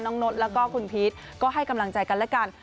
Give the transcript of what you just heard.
นดแล้วก็คุณพีชก็ให้กำลังใจกันและกัน